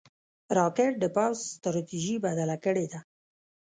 راکټ د پوځ ستراتیژي بدله کړې ده